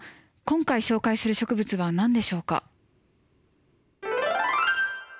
今回紹介する植物は何でしょうか？